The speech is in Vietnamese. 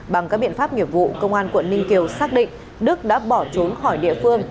bằng các biện pháp nghiệp vụ công an quận ninh kiều xác định đức đã bỏ trốn khỏi địa phương